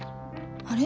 あれ？